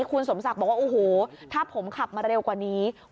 คุณสมศักดิ์บอกว่าโอ้โหถ้าผมขับมาเร็วกว่านี้